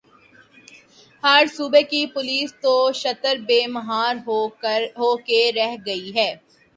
ہر صوبے کی پولیس تو شتر بے مہار ہو کے رہ گئی ہے۔